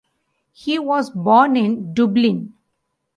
He was born in Dublin.